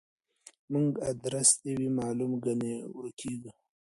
زموږ ادرس دي وي معلوم کنه ورکیږو